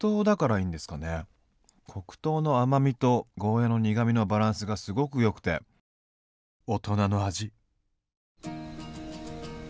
黒糖の甘みとゴーヤーの苦みのバランスがすごくよくて大人の味。